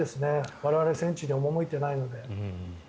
我々、戦地に赴いてないので。